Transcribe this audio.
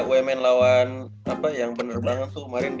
uemmen lawan apa yang bener banget tuh kemarin d lima